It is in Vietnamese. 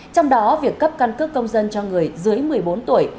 trong đó việc cấp căn cước công dân cho người dưới một mươi bốn tuổi